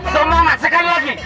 semangat sekali lagi